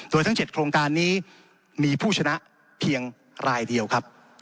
โดยทั้ง๗โครงการนี้มีผู้ชนะเพียงรายเดียวครับ